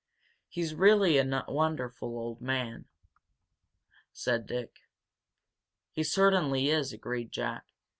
"He's really a wonderful old man," said Dick. "He certainly is," agreed Jack.